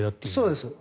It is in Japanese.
そうです。